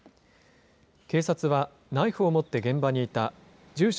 警察は、ナイフを持って現場にいた住所